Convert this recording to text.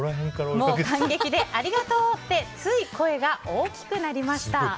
もう感激でありがとうってつい声が大きくなりました。